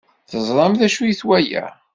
Teẓram d acu-t waya?